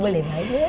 boleh baik ya